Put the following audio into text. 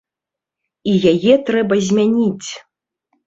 І яе трэба змяніць!